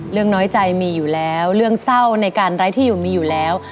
น้อยใจมีอยู่แล้วเรื่องเศร้าในการไร้ที่อยู่มีอยู่แล้ว